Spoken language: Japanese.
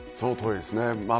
そのとおりですね。